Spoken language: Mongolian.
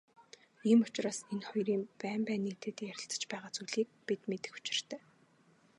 Ийм учраас энэ хоёрын байн байн нийлээд ярилцаж байгаа зүйлийг бид мэдэх учиртай.